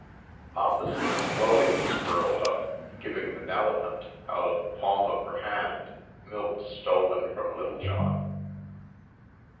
Opposite, Chloe was curled up, giving the Nelephant, out of the palm of her hand, milk stolen from Littlejohn.